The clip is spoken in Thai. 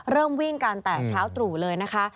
วิ่งกันแต่เช้าตรู่เลยนะคะ